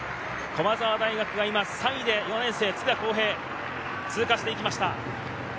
駒澤大学が今３位で４年生、佃康平が通過していきました。